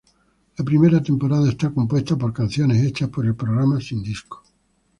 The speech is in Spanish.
La primera temporada está compuesta por canciones hechas por el programa sin disco.